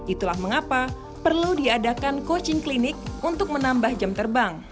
itulah mengapa perlu diadakan coaching klinik untuk menambah jam terbang